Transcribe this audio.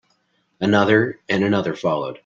Another and another followed.